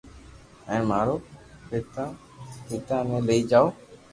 ھين مارو پاتا پيتا ني لئي جاو